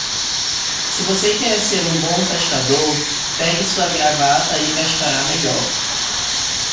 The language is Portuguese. Se você quer ser um bom pescador, pegue sua gravata e pescará melhor.